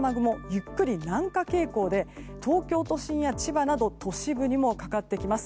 ゆっくり南下傾向で東京都心や千葉など都市部にもかかってきます。